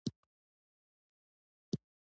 دای په عروضو پوهېده.